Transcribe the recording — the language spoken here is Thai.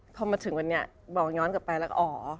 พอมาถึงวันนี้บอกย้อนกลับไปแล้วอ๋อ